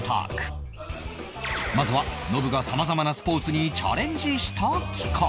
まずはノブが様々なスポーツにチャレンジした企画